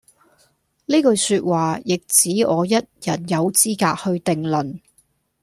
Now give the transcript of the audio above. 呢句說話，亦只我一人有資格去定論